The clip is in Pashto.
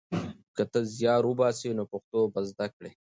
که ته زیار وباسې نو پښتو به زده کړې.